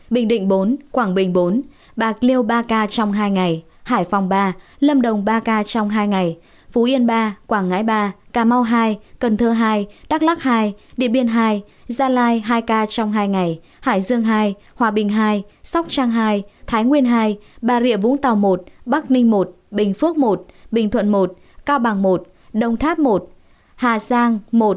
bình định bốn quảng bình bốn bạc liêu ba ca trong hai ngày hải phòng ba lâm đồng ba ca trong hai ngày phú yên ba quảng ngãi ba cà mau hai cần thơ hai đắk lắc hai điện biên hai gia lai hai ca trong hai ngày hải dương hai hòa bình hai sóc trang hai thái nguyên hai bà rịa vũng tàu một bắc ninh một bình phước một bình thuận một cao bằng một đông tháp một hà giang một khánh hồ một